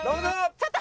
ちょっと！